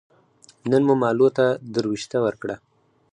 نن مو مالو ته دروشته ور کړه